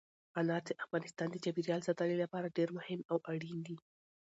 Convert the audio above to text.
انار د افغانستان د چاپیریال ساتنې لپاره ډېر مهم او اړین دي.